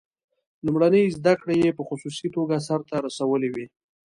لومړنۍ زده کړې یې په خصوصي توګه سرته رسولې وې.